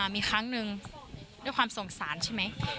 มีครั้งหนึ่งด้วยความสงสารใช่ไหม